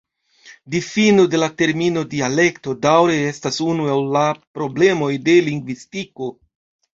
Difino de la termino "dialekto" daŭre estas unu el la problemoj de lingvistiko.